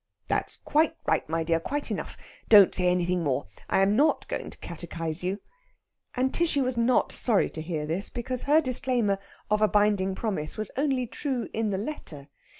"That's quite right, my dear quite enough. Don't say anything more. I am not going to catechize you." And Tishy was not sorry to hear this, because her disclaimer of a binding promise was only true in the letter.